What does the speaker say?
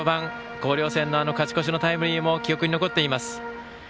広陵戦でのあの勝ち越しのタイムリーも記憶に残っています。